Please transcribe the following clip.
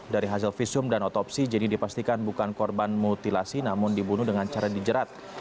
dari hasil visum dan otopsi jenny dipastikan bukan korban mutilasi namun dibunuh dengan cara dijerat